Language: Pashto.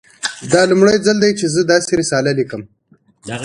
دا لومړی ځل دی چې زه داسې رساله لیکم